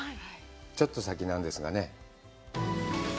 ちょっと先なんですがね。